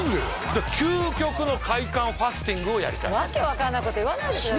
究極の快感ファスティングをやりたい訳分かんないこと言わないでください